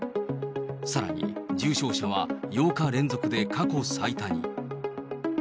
さらに、重症者は８日連続で過去最多に。